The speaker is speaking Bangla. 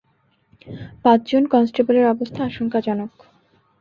পাঁচ জন কনস্টেবলের অবস্থা আশঙ্কাজনক।